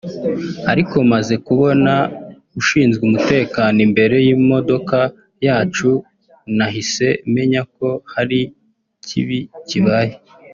Ariko maze kubona ushinzwe umutekano imbere y’ imodoka yacu nahise menya ko hari kibi kibaye